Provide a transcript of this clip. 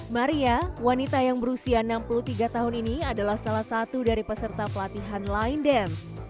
maria wanita yang berusia enam puluh tiga tahun ini adalah salah satu dari peserta pelatihan line dance